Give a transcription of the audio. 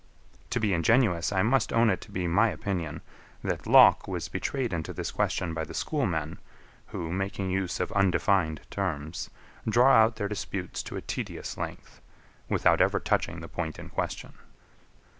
To be ingenuous, I must own it to be my opinion, that LOCKE was betrayed into this question by the schoolmen, who, making use of undefined terms, draw out their disputes to a tedious length, without ever touching the point in question.